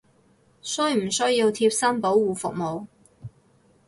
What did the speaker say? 需唔需要貼身保護服務！？